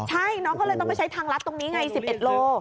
ใช่น้องก็เลยต้องไปใช้ทางลัดตรงนี้ไง๑๑โล